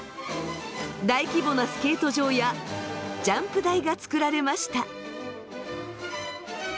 大規模なスケート場やジャンプ台がつくられました。